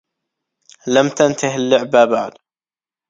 لم تنته اللعبة بعد.